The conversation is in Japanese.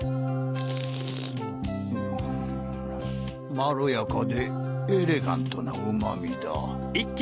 まろやかでエレガントなうま味だ。